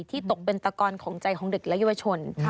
ที่ตกเป็นตะกอนใจของเด็กและเยื้อชน